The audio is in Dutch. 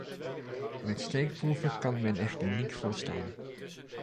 Met steekproeven kan men echter niet volstaan.